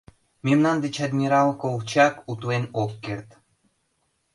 Мемнан деч адмирал Колчак утлен ок керт.